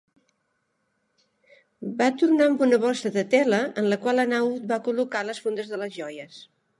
Va tornar amb una bossa de tela, en la qual Hanaud va col·locar les fundes de les joies.